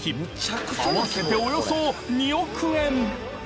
［合わせておよそ２億円］